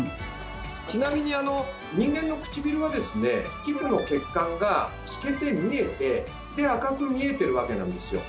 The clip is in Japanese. ちなみに人間のくちびるは皮膚の血管が透けて見えて赤く見えてるわけなんですよ。